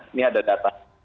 ini ada data